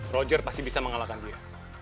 roger pasti bisa mengalahkan dia